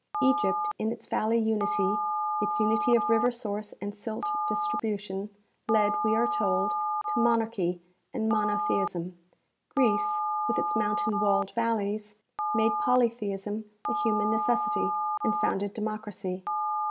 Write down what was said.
Egypt in its valley unity, its unity of river source and silt distribution, led, we are told, to monarchy and monotheism. Greece, with its mountain walled valleys, made polytheism a human necessity, and founded democracy.